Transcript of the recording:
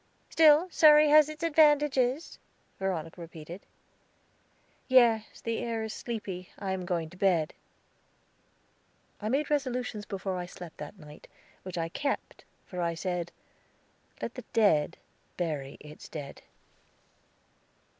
"Still, Surrey has its advantages," Veronica repeated. "Yes, the air is sleepy; I am going to bed." I made resolutions before I slept that night, which I kept, for I said, "Let the dead bury its dead."